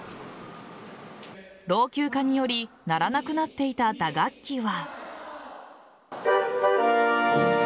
老朽化により鳴らなくなっていた打楽器は。